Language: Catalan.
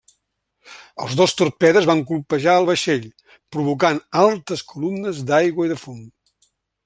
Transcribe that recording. Els dos torpedes van colpejar el vaixell, provocant altes columnes d'aigua i de fum.